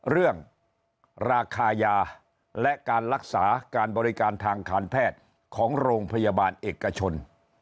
เรื่องราคายาและการรักษาการบริการทางการแพทย์ของโรงพยาบาลเอกชน